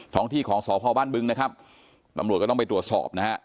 ของที่ของสพบ้านบึงนะครับตำรวจก็ต้องไปตรวจสอบนะฮะ